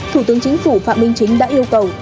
thủ tướng chính phủ phạm minh chính đã yêu cầu